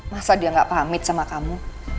masa dia gak pamit sama kamu